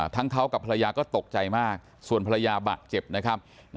ทั้งเขากับภรรยาก็ตกใจมากส่วนภรรยาบาดเจ็บนะครับ